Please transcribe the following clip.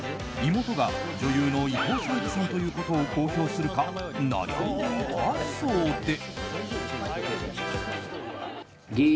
妹が女優の伊藤沙莉さんということを公表するか悩んでいたそうで。